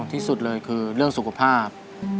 ที่สุดเลยคือเรื่องสุขภาพ